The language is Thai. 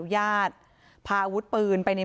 ไม่ตั้งใจครับ